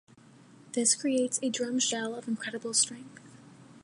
This creates a drum shell of incredible strength.